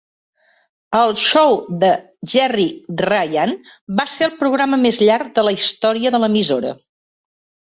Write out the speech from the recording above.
"El Show de Gerry Ryan" va ser el programa més llarg de la història de l'emissora.